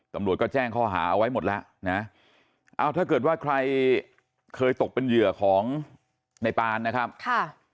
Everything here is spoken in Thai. ตำรวจก็แจ้งข้อหาเอาไว้หมดแล้วนะเอาถ้าเกิดว่าใครเคยตกเป็นเหยื่อของในปานนะครับค่ะ